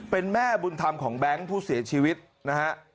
เป็นแม่บุญธรรมของแบงค์ผู้เสียชีวิตนะฮะ